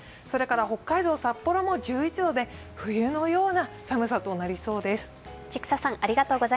北海道札幌も１１度で冬のような寒さとなりそうです。